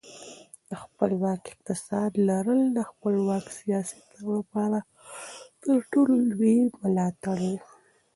د خپلواک اقتصاد لرل د خپلواک سیاست لپاره تر ټولو لوی ملاتړ دی.